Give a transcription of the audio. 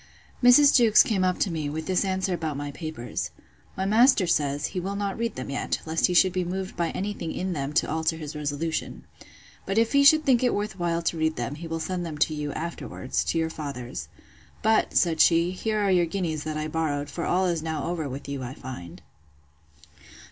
Mrs. Jewkes came up to me, with this answer about my papers: My master says, he will not read them yet, lest he should be moved by any thing in them to alter his resolution. But if he should think it worth while to read them, he will send them to you, afterwards, to your father's. But, said she, here are your guineas that I borrowed: for all is over now with you, I find.